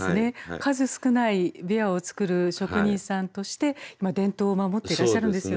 数少ない琵琶を作る職人さんとして伝統を守ってらっしゃるんですよね。